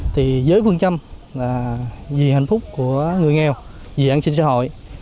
thì với phương châm là vì hạnh phúc của người nghèo vì an sinh xã hội